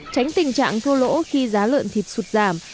tránh tình trạng thua lỗ khi giá lợn thịt sụt giảm